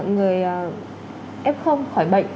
người f khỏi bệnh